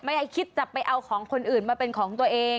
ให้คิดจะไปเอาของคนอื่นมาเป็นของตัวเอง